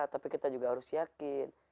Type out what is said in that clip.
tapi kita juga harus yakin